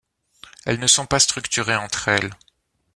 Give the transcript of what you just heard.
Elles ne sont pas structurées entre elles.